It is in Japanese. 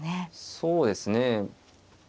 そうですね。